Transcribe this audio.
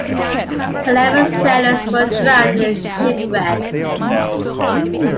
Eleven sailors were drowned in the shipwreck.